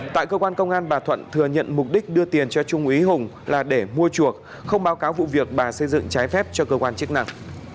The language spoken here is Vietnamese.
tại cơ quan công an bà thuận thừa nhận mục đích đưa tiền cho trung úy hùng là để mua chuộc không báo cáo vụ việc bà xây dựng trái phép cho cơ quan chức năng